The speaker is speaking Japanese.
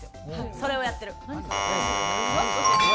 それをやってる。